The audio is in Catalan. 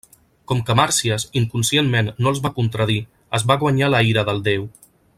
Com que Màrsies, inconscientment, no els va contradir, es va guanyar la ira del déu.